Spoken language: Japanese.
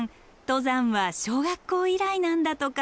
登山は小学校以来なんだとか。